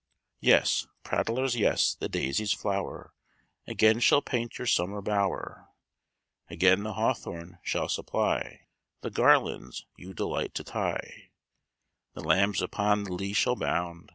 "Yes, prattlers, yes, the daisy's flower Again shall paint your summer bower; Again the hawthorn shall supply The garlands you delight to tie; The lambs upon the lea shall bound.